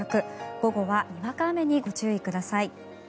午後はにわか雨にご注意ください。